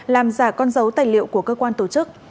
làm giả con dấu tài liệu của cơ quan tổ chức